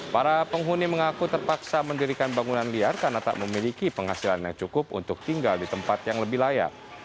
para penghuni mengaku terpaksa mendirikan bangunan liar karena tak memiliki penghasilan yang cukup untuk tinggal di tempat yang lebih layak